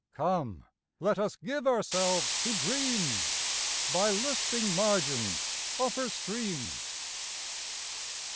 Come, let us give ourselves to dreams By lisping margins of her streams.